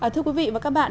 thưa quý vị và các bạn